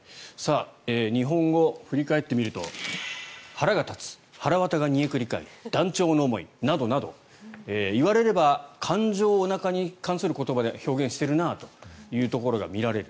日本語を振り返ってみると腹が立つはらわたが煮えくり返る断腸の思いなどなど言われれば感情をおなかに関する言葉で表現しているなということが見られる。